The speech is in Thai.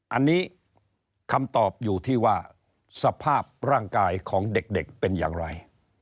อันนี้คำตอบอยู่ที่ว่าสภาพร่างกายของเด็กเป็นอย่างไร